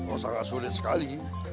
oh sangat sulit sekali